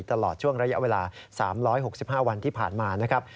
ตลอดช่วงระยะเวลา๓๖๕วันที่ผ่านมานะครับ